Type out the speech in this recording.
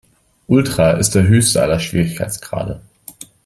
Ultra ist der höchste aller Schwierigkeitsgrade.